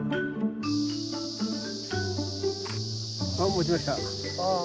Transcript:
持ちました。